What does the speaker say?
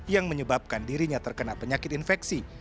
yang menyebabkan dirinya terkena penyakit infeksi